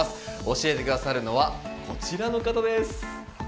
教えて下さるのはこちらの方です。